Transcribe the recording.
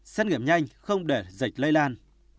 xét nghiệm nhanh không để dịch lây lan